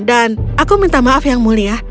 dan aku minta maaf yang mulia